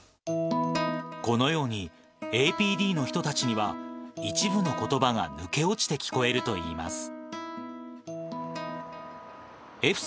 このようにＡＰＤの人たちには一部のことばが抜け落ちて聞こえるといいます。笑